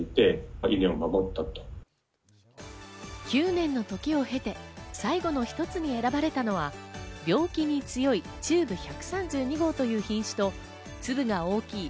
９年の時を経て、最後の一つに選ばれたのは、病気に強い中部１３２号という品種と粒が大きい